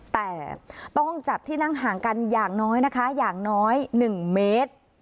แต่ต้องจัดที่นั่งห่างกันอย่างน้อยนะคะอย่างน้อย๑เมตร